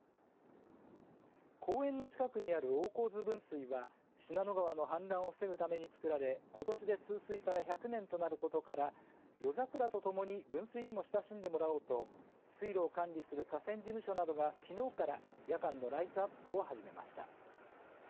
公園の近くにある大河津分水は信濃川の氾濫を防ぐために作られことしで通水から１００年となることから夜桜とともに分水にも親しんでもらおうと水路を管理する河川事務所などがきのうから夜間のライトアップを始めました。